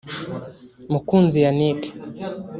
Mukunzi Yannick